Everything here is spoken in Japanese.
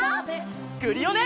クリオネ！